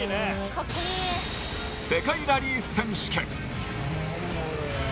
世界ラリー選手権。